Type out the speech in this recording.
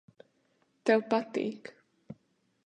Tev patīk.